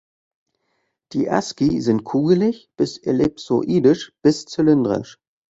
Die Asci sind kugelig bis ellipsoidisch bis zylindrisch.